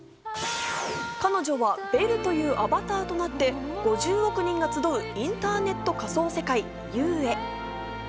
彼女はベルというアバターとなってインターネット仮想世界Ｕへ。